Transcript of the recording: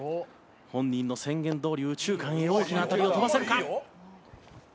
本人の宣言どおり右中間へ大きな当たりを飛ばせるか？